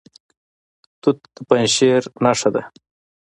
توت د پنجشیر نښه ده.